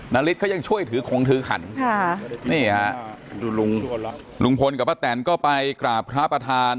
นาริสเขายังช่วยถือคงถือขันนี่ฮะลุงพลกับป้าแตนก็ไปกราบพระประธาน